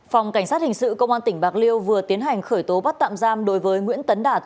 phòng cảnh sát hình sự công an tp hcm vừa tiến hành khởi tố bắt tạm giam đối với nguyễn tấn đạt